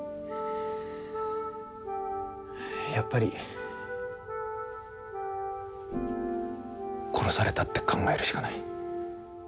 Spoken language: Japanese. やっぱり殺されたって考えるしかない。